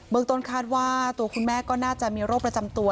เมืองต้นคาดว่าตัวคุณแม่ก็น่าจะมีโรคประจำตัว